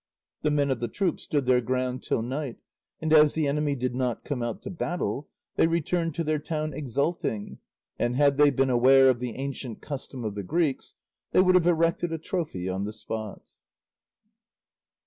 The men of the troop stood their ground till night, and as the enemy did not come out to battle, they returned to their town exulting; and had they been aware of the ancient custom of the Greeks, they would have erected a trophy on the spot.